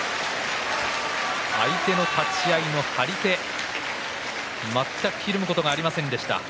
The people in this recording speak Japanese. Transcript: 相手の立ち合いの張り手全くひるむことがありませんでした。